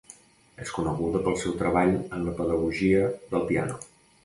És coneguda pel seu treball en la pedagogia del piano.